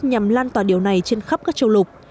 nhằm lan tỏa điều này trên khắp các châu lục